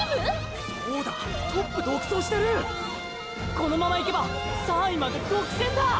このままいけば３位まで独占だ！！